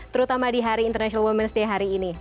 terutama di hari international women's day hari ini